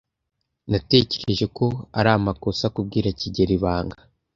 Natekereje ko ari amakosa kubwira kigeli ibanga.